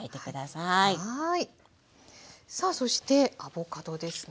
さあそしてアボカドですね。